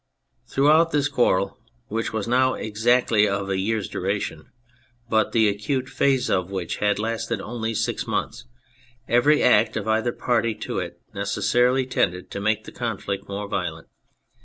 Throughout this quarrel, which was now exactly of a year's duration, but the acute phase of which had lasted only six months, every act of either party to it necessarily tended to make the conflict more violent.